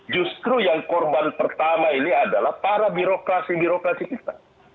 justru yang korban pertama ini adalah para birokrasi birokrasi kita